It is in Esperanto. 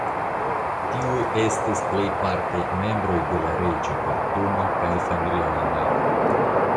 Tiuj estis plejparte membroj de la reĝa kortumo kaj familianoj.